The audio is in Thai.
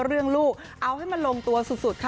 เอาให้มันลงตัวสุดค่ะ